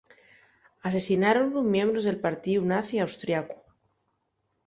Asesináronlu miembros del partíu nazi austriacu.